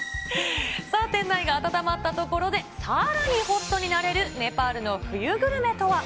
さあ、店内が温まったところで、さらにホットになれるネパールの冬グルメとは。